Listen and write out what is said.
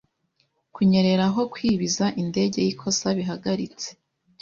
kunyerera aho kwibiza indege yikosa bihagaritse